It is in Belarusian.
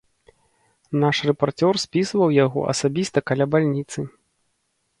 Наш рэпарцёр спісваў яго асабіста каля бальніцы.